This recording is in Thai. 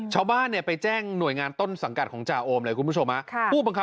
ชาวบ้านเนี่ยไปแจ้งหน่วยงานต้นสังกัดของจาโอมเลย